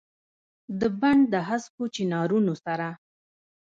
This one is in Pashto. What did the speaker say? دبڼ دهسکو چنارونو سره ،